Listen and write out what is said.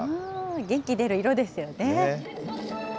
元気出る色ですよね。